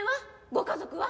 ご家族は？